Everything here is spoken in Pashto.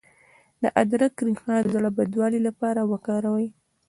د ادرک ریښه د زړه بدوالي لپاره وکاروئ